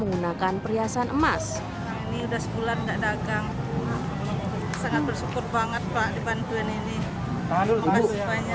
menggunakan perhiasan emas ini udah sebulan enggak dagang sangat bersyukur banget pak dibantuin ini makasih banyak